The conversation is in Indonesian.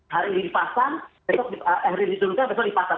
hari ini dipasang besok dipasang